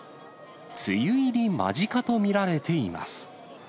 梅雨入り間近と見られています。